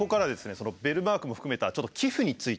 そのベルマークも含めたちょっと寄付について。